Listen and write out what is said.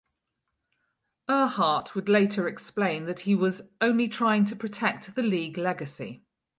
Ehrhart would later explain that he was only "trying to protect the league legacy".